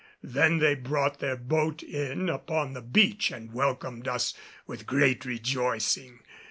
Then they brought their boat in upon the beach and welcomed us with great rejoicing.